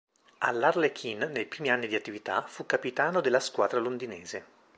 All'Harlequin nei primi anni di attività, fu capitano della squadra londinese.